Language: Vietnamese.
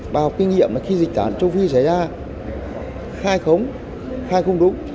bà học kinh nghiệm là khi dịch tán châu phi xảy ra khai không khai không đúng